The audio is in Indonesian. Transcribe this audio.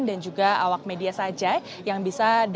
dan juga awak media saja yang bisa datang ke kawasan ini